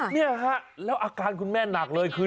เนี่ยฮะแล้วอาการคุณแม่หนักเลยคือ